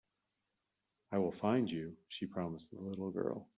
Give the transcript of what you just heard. "I will find you.", she promised the little girl.